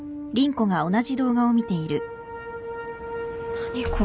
何これ。